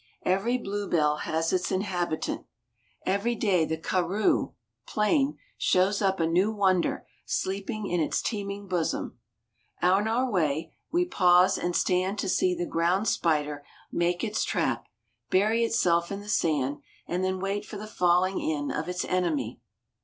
Every bluebell has its inhabitant. Every day the karroo (plain) shows up a new wonder sleeping in its teeming bosom. On our way we pause and stand to see the ground spider make its trap, bury itself in the sand, and then wait for the falling in of its enemy.